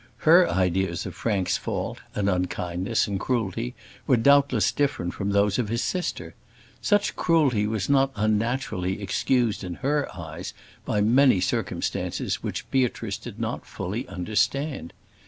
Her ideas of Frank's fault, and unkindness, and cruelty, were doubtless different from those of his sister. Such cruelty was not unnaturally excused in her eyes by many circumstances which Beatrice did not fully understand.